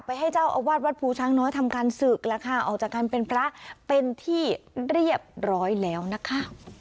ให้เจ้าอาวาสวัดภูช้างน้อยทำการศึกแล้วค่ะออกจากการเป็นพระเป็นที่เรียบร้อยแล้วนะคะ